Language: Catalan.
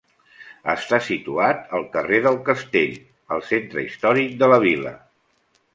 Està situat al carrer del Castell, al centre històric de la vila.